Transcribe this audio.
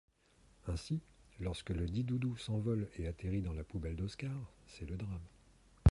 Ainsi, lorsque le dit-doudou s'envole et atterrit dans la poubelle d'Oscar, c'est le drame.